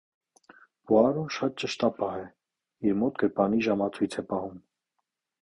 Պուարոն շատ ճշտապահ է, իր մոըտ գրպանի ժամացույց է պահում։